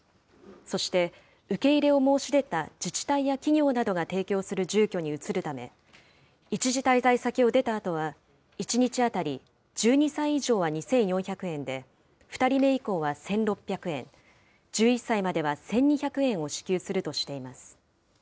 そして受け入れを申し出た自治体や企業などが提供する住居に移るため、一時滞在先を出たあとは、１日当たり１２歳以上は２４００円で、２人目以降は１６００円、１１歳までは１２００円を支給するとしています。